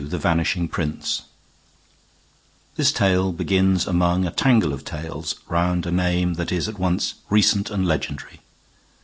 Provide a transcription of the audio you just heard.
THE VANISHING PRINCE This tale begins among a tangle of tales round a name that is at once recent and legendary.